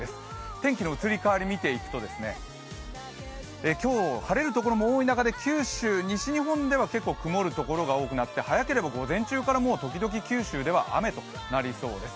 天気の移り変わり見ていくと今日、晴れるところも多い中で九州・西日本では結構、曇るところが多くなって早ければ午前中から時々、九州では雨となりそうです。